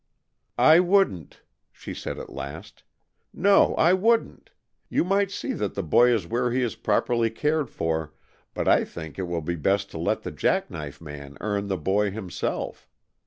"I wouldn't!" she said at last "No, I wouldn't! You might see that the boy is where he is properly cared for, but I think it will be best to let the Jack knife Man earn the boy himself.